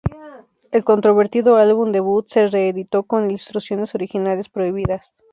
El controvertido álbum debut se reeditó con ilustraciones originales prohibidas.